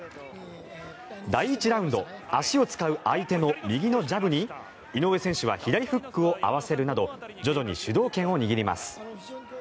第１ラウンド足を使う相手の右のジャブに井上選手は左フックを合わせるなど徐々に主導権を握ります。